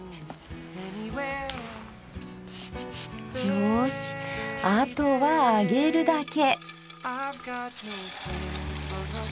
よしあとは揚げるだけ。